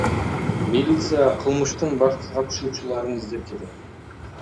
Милиция кылмыштын башка катышуучуларын издеп жатат.